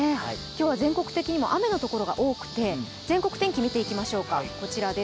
今日は全国的にも雨のところが多くて、全国天気、見てみましょうか。